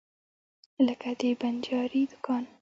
لکه د بنجاري دکان.